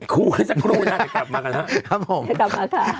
คุ้มกันสักครู่นะจะกลับมากันนะครับครับผมจะกลับมาค่ะครับผม